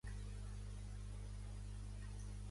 Norville, que va ser el col·leccionista de l'holotip.